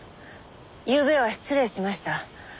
ゆうべは失礼しました。